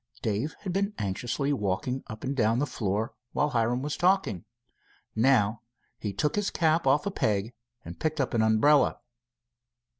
Dave had been anxiously walking up and down the floor while Hiram was talking. Now he took his cap off a peg and picked up an umbrella.